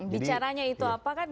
bicaranya itu apa kan